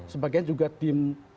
sebagian juga tim